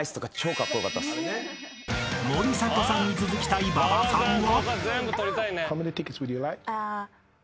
［森迫さんに続きたい馬場さんは］